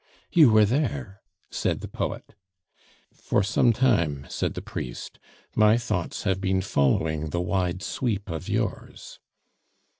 "You were there!" said the poet. "For some time," said the priest, "my thoughts have been following the wide sweep of yours."